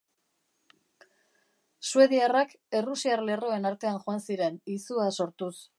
Suediarrak errusiar lerroen artean joan ziren, izua sortuz.